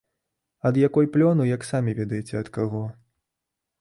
Ад якой плёну, як самі ведаеце ад каго.